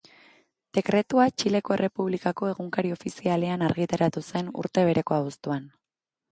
Dekretua Txileko Errepublikako Egunkari Ofizialean argitaratu zen urte bereko abuztuan.